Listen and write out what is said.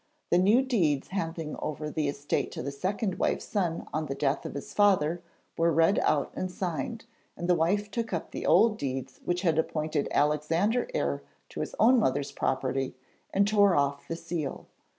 The new deeds handing over the estate to the second wife's son on the death of his father were read out and signed, and the wife took up the old deeds which had appointed Alexander heir to his own mother's property, and tore off the seal.